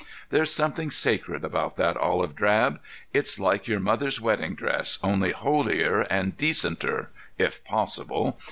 There's something sacred about that olive drab. It's like your mother's wedding dress, only holier, and decenter, if possible.